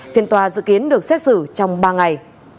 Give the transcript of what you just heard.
phiên tòa dự kiến được xét xử trong ba ngày